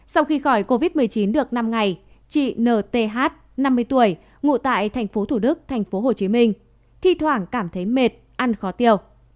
sau khi khỏi covid một mươi chín được năm ngày chị nth năm mươi tuổi ngụ tại tp thủ đức tp hcm thi thoảng cảm thấy mệt ăn khó tiêu